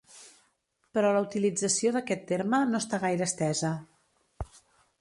Però la utilització d'aquest terme no està gaire estesa.